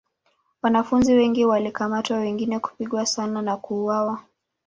Wanafunzi wengi walikamatwa wengine kupigwa sana na kuuawa.